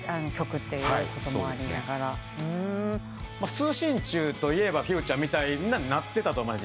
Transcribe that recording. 四星球といえば『フューちゃん』みたいになってたと思います。